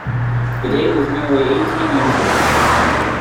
The date was nearly eighteen years old.